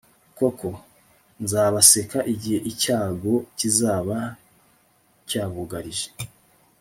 koko, nzabaseka igihe icyago kizaba cyabugarije